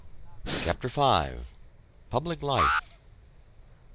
CHAPTER V. PUBLIC LIFE.